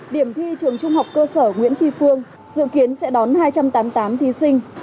điểm thi trường trung học cơ sở nguyễn tri phương dự kiến sẽ đón hai trăm tám mươi tám thí sinh